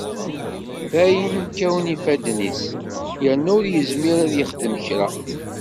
Dayen kkawen yifadden-is yerna ur yezmir ad yexdem kra.